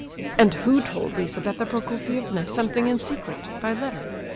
"And who told Lizabetha Prokofievna something in secret, by letter?